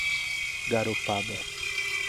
Garopaba